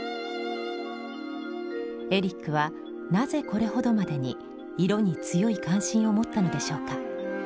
エリックはなぜこれほどまでに色に強い関心を持ったのでしょうか。